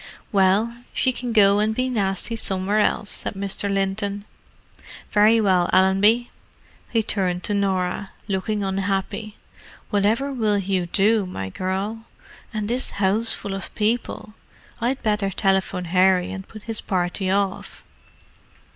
"Well, she can go and be nasty somewhere else," said Mr. Linton. "Very well, Allenby." He turned to Norah, looking unhappy. "Whatever will you do, my girl?—and this houseful of people! I'd better telephone Harry and put his party off."